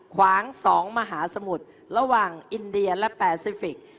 ขวาง๒มหาสมุทรระหว่างอินเดียและแปซิฟิกส์